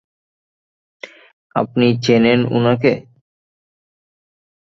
আপনি চেনেন উনাকে?